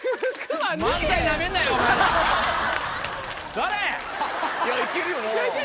座れ‼いやいけるよな。